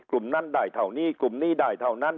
กลุ่มนั้นได้เท่านี้กลุ่มนี้ได้เท่านั้น